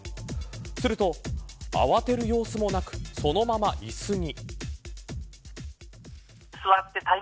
すると、慌てる様子もなくそのまま椅子に。